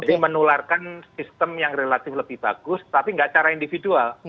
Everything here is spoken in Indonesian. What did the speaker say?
jadi menularkan sistem yang relatif lebih bagus tapi enggak cara individual